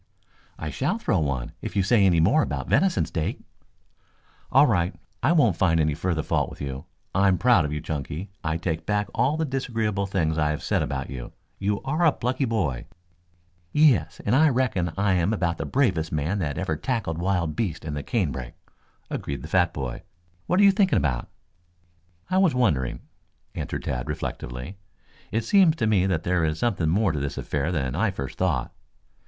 "I shall throw one if you say any more about venison steak." "All right. I won't find any further fault with you. I am proud of you, Chunky. I take back all the disagreeable things I have said about you. You are a plucky boy." "Yes, I reckon I am about the bravest man that ever tackled wild beasts in the canebrake," agreed the fat boy. "What are you thinking about?" "I was wondering," answered Tad reflectively. "It seems to me that there is something more to this affair than I first thought.